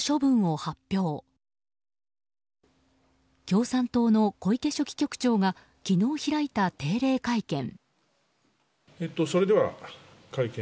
共産党の小池書記局長が昨日開いた定例会見。